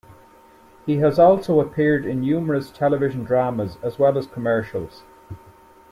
He has also appeared in numerous television dramas as well as commercials.